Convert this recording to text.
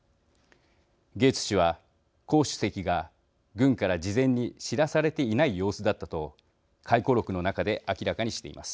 ゲーツ氏は、胡主席が軍から事前に知らされていない様子だったと回顧録の中で明らかにしています。